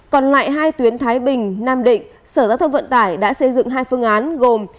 còn lại hai tuyến thái bình nam định sở giao thông vận tải đã xây dựng hai phương án gồm